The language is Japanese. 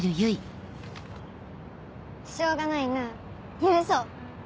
しょうがないなぁ許そう。